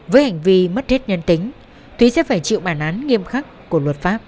với hành vi mất hết nhân tính thúy sẽ phải chịu bản án nghiêm khắc của luật pháp